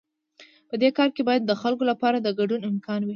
په دې کار کې باید د خلکو لپاره د ګډون امکان وي.